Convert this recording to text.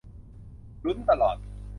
ลุ้นตลอด